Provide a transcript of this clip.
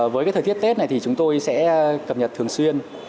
với thời tiết tết này thì chúng tôi sẽ cập nhật thường xuyên